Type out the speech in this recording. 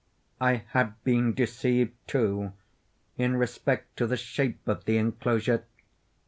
I had been deceived, too, in respect to the shape of the enclosure.